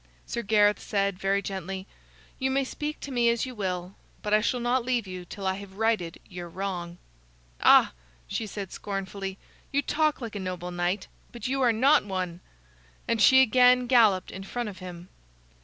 Sir Gareth said, very gently: "You may speak to me as you will, but I shall not leave you till I have righted your wrong." "Ah!" she said, scornfully, "you talk like a noble knight, but you are not one," and she again galloped in front of him.